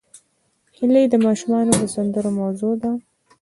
هیلۍ د ماشومانو د سندرو موضوع ده